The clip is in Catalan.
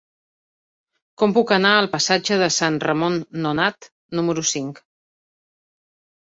Com puc anar al passatge de Sant Ramon Nonat número cinc?